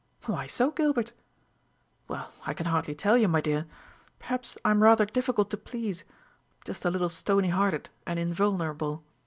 "Why so, Gilbert?" "Well, I can hardly tell you, my dear. Perhaps I am rather difficult to please just a little stony hearted and invulnerable.